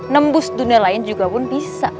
nembus dunia lain juga pun bisa